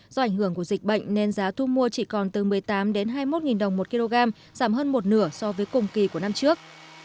do ảnh hưởng của dịch bệnh nên giá thu mua chỉ còn từ một mươi tám hai mươi một đồng một kg giảm hơn một nửa so với cùng kỳ của năm trước